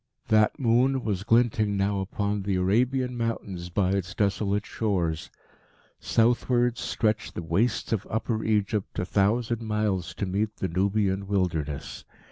That moon was glinting now upon the Arabian Mountains by its desolate shores. Southwards stretched the wastes of Upper Egypt a thousand miles to meet the Nubian wilderness.